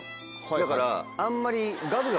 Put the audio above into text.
だからあんまり。